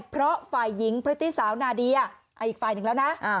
เพราะฝ่ายหญิงพริตตี้สาวนาเดียอีกฝ่ายหนึ่งแล้วนะ